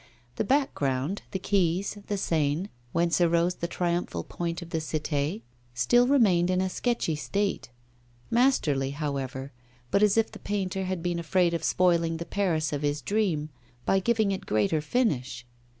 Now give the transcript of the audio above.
The background, the quays, the Seine, whence arose the triumphal point of the Cité, still remained in a sketchy state masterly, however, but as if the painter had been afraid of spoiling the Paris of his dream by giving it greater finish.